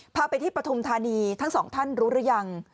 พาไปที่ปฐุมธานีทั้งสองท่านรู้หรือยัง